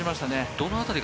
どの辺りが？